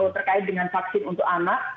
terkait dengan vaksin untuk anak